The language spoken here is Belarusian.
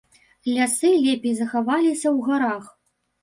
Лясы лепей захаваліся ў гарах.